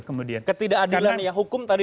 kemudian ketidakadilan ya hukum tadi